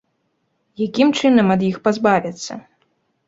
Якім чынам ад іх пазбавіцца?